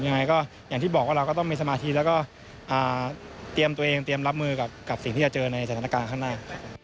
ยังไงก็อย่างที่บอกว่าเราก็ต้องมีสมาธิแล้วก็เตรียมตัวเองเตรียมรับมือกับสิ่งที่จะเจอในสถานการณ์ข้างหน้า